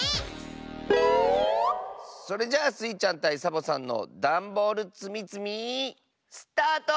それじゃあスイちゃんたいサボさんのダンボールつみつみスタート！